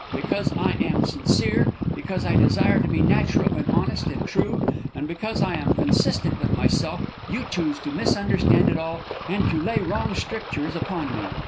Because I am sincere; because I desire to be natural, and honest, and true; and because I am consistent with myself, you choose to misunderstand it all and to lay wrong strictures upon me.